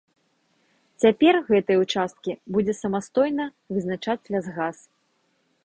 Цяпер гэтыя ўчасткі будзе самастойна вызначаць лясгас.